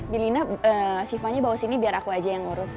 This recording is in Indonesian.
bilina sivanya bawa sini biar aku aja yang ngurus